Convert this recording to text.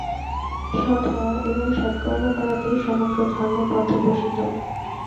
সৎ হওয়া এবং সৎ কর্ম করাতেই সমগ্র ধর্ম পর্যবসিত।